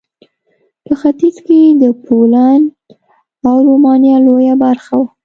په ختیځ کې د پولنډ او رومانیا لویه برخه وه.